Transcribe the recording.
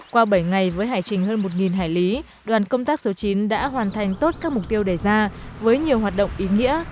qua bảy ngày với hải trình hơn một hải lý đoàn công tác số chín đã hoàn thành tốt các mục tiêu đề ra với nhiều hoạt động ý nghĩa